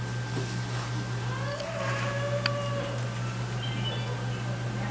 いちご、おいしいですね